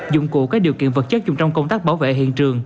dụng cụ các điều kiện vật chất dùng trong công tác bảo vệ hiện trường